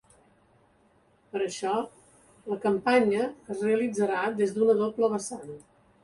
Per a això, la campanya es realitzarà des d’una doble vessant.